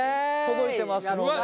届いてますので。